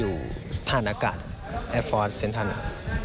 แต่ก็ทำให้เขาได้ประสบการณ์ชั้นดีของชีวิตดำมาพัฒนาต่อยอดสู่การแข่งขันบนเวทีทีมชาติไทย